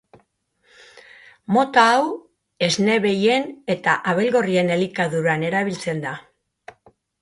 Mota hau esne behien eta abelgorrien elikaduran erabiltzen da.